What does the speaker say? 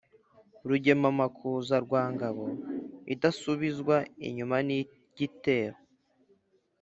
rugema amakuza rwa Ngabo idasubizwa inyuma n'igitero